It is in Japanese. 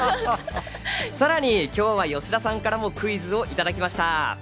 さらに今日は吉田さんからクイズをいただきました。